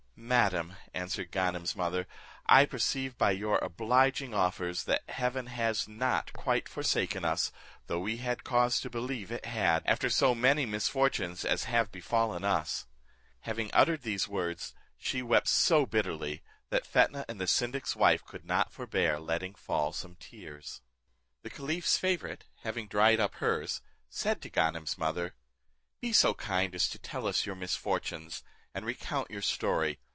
"Madam," answered Ganem's mother, "I perceive by your obliging offers, that Heaven has not quite forsaken us, though we had cause to believe it had, after so many misfortunes as have befallen us." Having uttered these words, she wept so bitterly that Fetnah and the syndic's wife could not forbear letting fall some tears. The caliph's favourite having dried up hers, said to Ganem's mother, "Be so kind as to tell us your misfortunes, and recount your story.